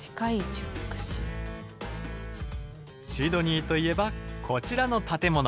シドニーといえばこちらの建物。